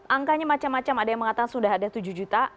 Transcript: angkanya macam macam ada yang mengatakan sudah ada tujuh juta